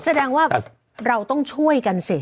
แสดงว่าเราต้องช่วยกันสิ